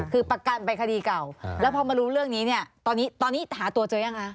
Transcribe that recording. คือประกันไปคดีเก่าแล้วพอมารู้เรื่องนี้เนี่ยตอนนี้หาตัวเจอยังคะ